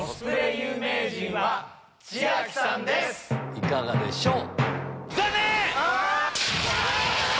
いかがでしょう？